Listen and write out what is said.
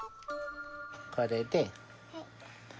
これで。